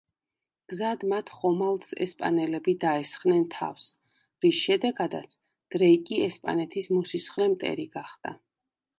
გზად მათ ხომალდს ესპანელები დაესხნენ თავს, რის შედეგადაც დრეიკი ესპანეთის მოსისხლე მტერი გახდა.